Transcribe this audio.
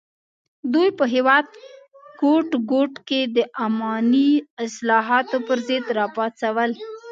دوی په هېواد ګوټ ګوټ کې د اماني اصلاحاتو پر ضد راپاڅول.